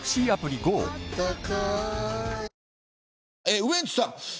ウエンツさん。